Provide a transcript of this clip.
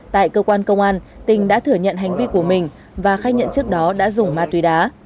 tại cơ quan công an tình đã thử nhận hành vi của mình và khách nhận trước đó đã dùng ma tùy đá